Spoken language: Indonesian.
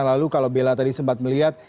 lalu kalau bella tadi sempat melihat